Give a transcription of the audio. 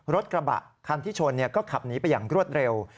รถกระบะคันที่ชนก็ขับหนีไปอย่างรวดเร็ว